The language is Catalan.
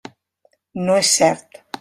No és cert.